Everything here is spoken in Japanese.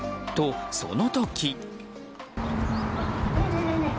と、その時。